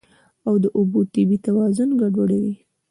او د اوبو طبیعي توازن ګډوډوي.